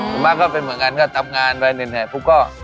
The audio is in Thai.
ส่วนมากก็เป็นเหมือนกันก็ตับงานแบบนี้เนี่ยปุ๊บก็